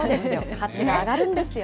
価値が上がるんですよ。